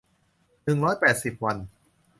หนึ่งร้อยแปดสิบ วัน